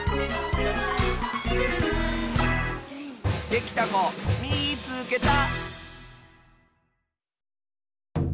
できたこみいつけた！